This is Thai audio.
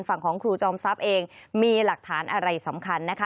ฝั่งของครูจอมทรัพย์เองมีหลักฐานอะไรสำคัญนะคะ